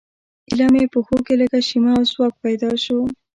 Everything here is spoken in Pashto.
ایله مې پښو کې لږه شیمه او ځواک پیدا شو.